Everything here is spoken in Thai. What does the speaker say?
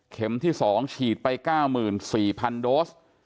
ที่๒ฉีดไป๙๔๐๐๐โดส